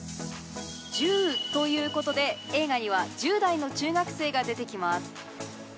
「十」ということで映画には十代の中学生が出て来ます。